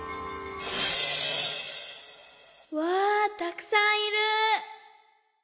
わあたくさんいる！